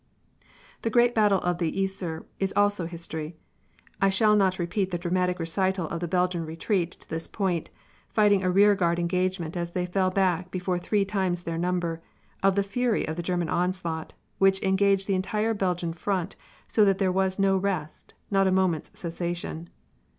The great battle of the Yser is also history. I shall not repeat the dramatic recital of the Belgian retreat to this point, fighting a rear guard engagement as they fell back before three times their number; of the fury of the German onslaught, which engaged the entire Belgian front, so that there was no rest, not a moment's cessation.